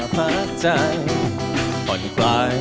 ภักดิ์ใจอ่อนกลาย